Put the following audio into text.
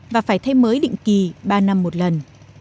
và phải thay mới định kỳ ba năm một lần